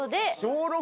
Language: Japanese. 小６。